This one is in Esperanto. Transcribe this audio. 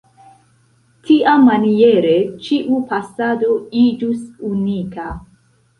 Tiamaniere ĉiu pasado iĝus unika.